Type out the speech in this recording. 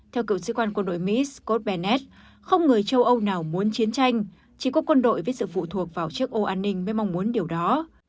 theo cựu sứ quán quân đội mỹ scott bennett không người châu âu nào muốn chiến tranh chỉ có quân đội với sự phụ thuộc vào chiếc ô an ninh mới mong muốn điều đó